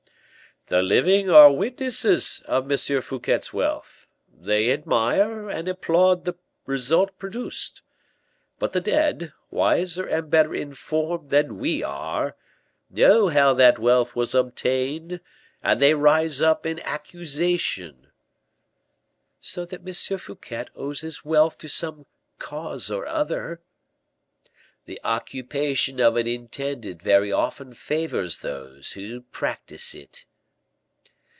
"The living are witnesses of M. Fouquet's wealth, they admire and applaud the result produced; but the dead, wiser and better informed than we are, know how that wealth was obtained and they rise up in accusation." "So that M. Fouquet owes his wealth to some cause or other." "The occupation of an intendant very often favors those who practice it."